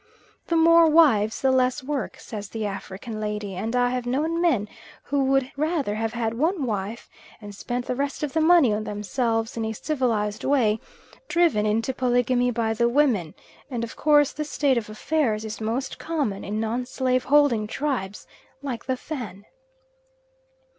The more wives the less work, says the African lady; and I have known men who would rather have had one wife and spent the rest of the money on themselves, in a civilised way, driven into polygamy by the women; and of course this state of affairs is most common in nonslave holding tribes like the Fan.